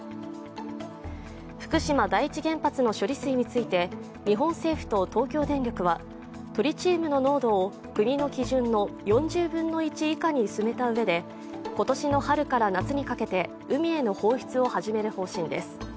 福島第一原発の処理水について日本政府と東京電力はトリチウムの濃度を国の基準の４０分の１以下に薄めたうえで今年の春から夏にかけて、海への放出を始める方針です。